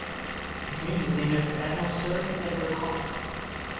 The community is named after Admiral Sir Edward Hawke.